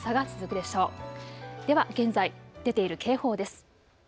では現在、出ている警報です。